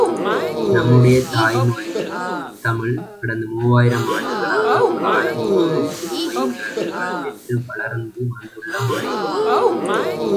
நம்முடைய தாய்மொழி, தமிழ், கடந்த மூவாயிரம் ஆண்டுகளாகக் காலம் தோறும் புதுமை நலன்கள் பெற்று வளர்ந்து வந்துள்ள மொழி!